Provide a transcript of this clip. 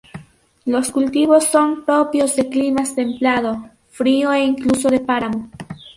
Los cultivos son propios de climas templado, frío e incluso de páramo.